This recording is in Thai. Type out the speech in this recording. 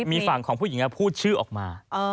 มีฝั่งของผู้หญิงพูดชื่อออกมา